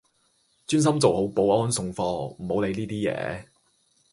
專心做好保安送貨，唔好理呢啲野